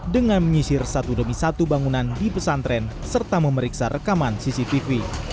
dengan menyisir satu demi satu bangunan di pesantren serta memeriksa rekaman cctv